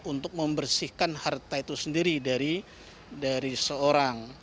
untuk membersihkan harta itu sendiri dari seorang